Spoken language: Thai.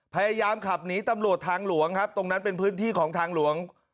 พยายามขับหนีตำรวจทางหลวงครับตรงนั้นเป็นพื้นที่ของทางหลวง